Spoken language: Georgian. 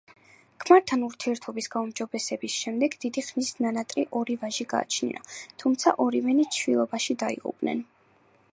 ქმართან ურთიერთობის გაუმჯობესების შემდეგ დიდი ხნის ნანატრი ორი ვაჟი გააჩინა, თუმცა ორივენი ჩვილობაში დაიღუპნენ.